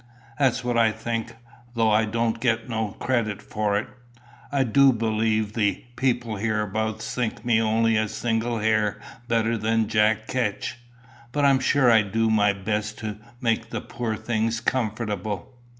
"That's what I think, though I don't get no credit for it. I du believe the people hereabouts thinks me only a single hair better than a Jack Ketch. But I'm sure I du my best to make the poor things comfortable."